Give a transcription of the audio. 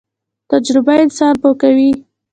تجربه انسان پوه کوي